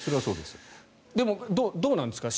でも、どうなんですか？